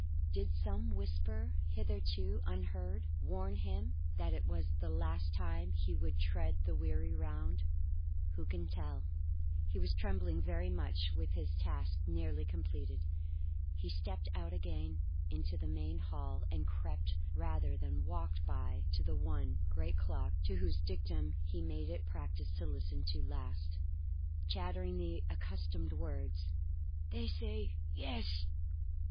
Did some whisper, hitherto unheard, warn him that it was the last time he would tread that weary round? Who can tell? He was trembling very much when with his task nearly completed, he stepped out again into the main hall and crept rather than walked back to the one great clock to whose dictum he made it a practice to listen last. Chattering the accustomed words, "They say Yes!